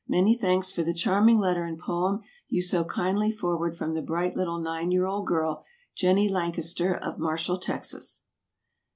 Many thanks for the charming letter and poem you so kindly forward from the bright little nine year old girl, Jennie Lancaster, of Marshall, Texas.